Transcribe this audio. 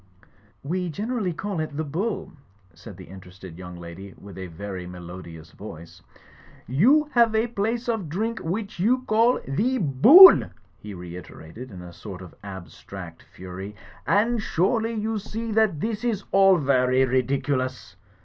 "We generally call it The Bull," said the interested young lady, with a very melodious voice. ''You have a place of drink, which you call The Bool," he reiterated in a sort of abstract fury, "and surely you see that this is all vary ridiculous